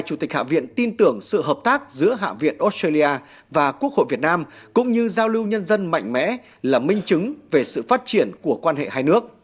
chủ tịch hạ viện tin tưởng sự hợp tác giữa hạ viện australia và quốc hội việt nam cũng như giao lưu nhân dân mạnh mẽ là minh chứng về sự phát triển của quan hệ hai nước